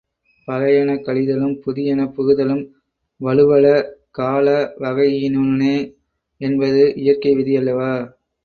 பழையன கழிதலும் புதியன புகுதலும் வழுவல காலவகையினுனே என்பது இயற்கை விதி அல்லவா?